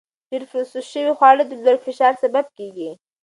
ډېر پروسس شوي خواړه د لوړ فشار سبب کېږي.